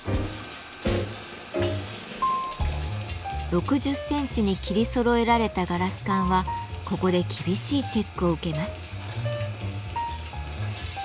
６０センチに切りそろえられたガラス管はここで厳しいチェックを受けます。